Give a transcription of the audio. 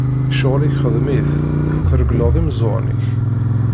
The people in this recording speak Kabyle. Ccɣel-ik xdem-it, tregleḍ imeẓẓuɣen-ik!